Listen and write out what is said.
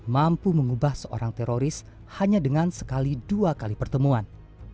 mampu mengubah seorang teroris hanya dengan sekali dua kali pertemuan